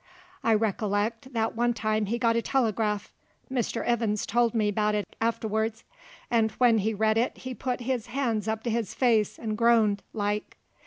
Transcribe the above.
I reecollect that one time he got a telegraph, Mr. Ivins told me 'bout it afterwards, and when he read it he put his hands up to his face 'nd groaned, like.